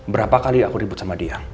berapa kali aku ribut sama dia